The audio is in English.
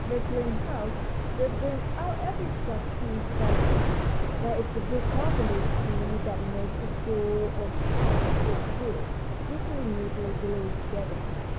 They clean house; they bring out every scrap piece by piece. There is a big carpenter bee that makes its doors of chips of wood, usually neatly glued together.